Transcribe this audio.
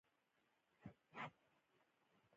خلک ډوډۍ، اوبه او مدني ژوند غواړي.